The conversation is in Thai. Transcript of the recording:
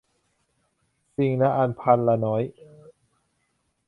สิ่งละอันพันละน้อย